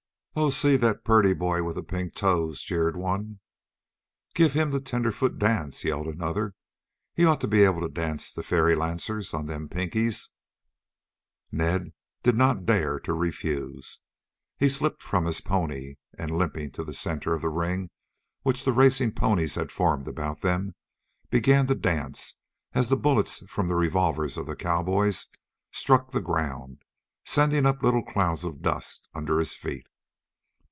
"Oh, see that purty boy with the pink toes!" jeered one. "Give him the tenderfoot dance," yelled another. "He ought to be able to dance the fairy lancers on them pinkies." Ned did not dare refuse. He slipped from his pony, and, limping to the center of the ring which the racing ponies had formed about them, began to dance as the bullets from the revolvers of the cowboys struck the ground, sending up little clouds of dust under his feet.